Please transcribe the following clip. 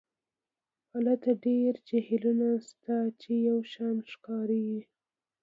هلته ډیر جهیلونه شته چې یو شان ښکاري